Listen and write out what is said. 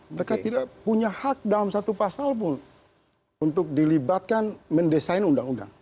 mereka tidak punya hak dalam satu pasal pun untuk dilibatkan mendesain undang undang